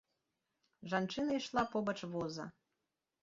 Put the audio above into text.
Жанчына ішла побач воза.